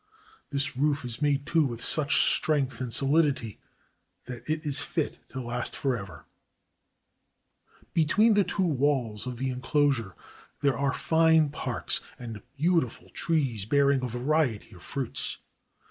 This roof is made, too, with such strength and solidity that it is fit to last forever. 102 THE PALACE OF THE GREAT KHAN Between the two walls of the enclosure there are fine parks and beautiful trees bearing a variety of fruits.